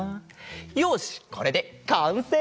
よしこれでかんせい！